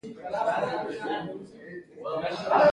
آیا د پوهنې وزارت کتابونه چاپوي؟